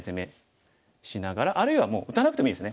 あるいはもう打たなくてもいいですね